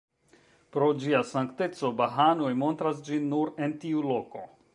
Pro ĝia sankteco bahaanoj montras ĝin nur en tiu loko.